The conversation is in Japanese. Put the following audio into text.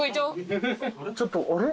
ちょっとあれ？